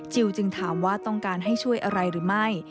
จึงถามว่าต้องการให้ช่วยอะไรหรือไม่